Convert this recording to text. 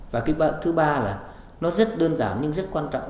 và cái thứ ba là nó rất đơn giản nhưng rất quan trọng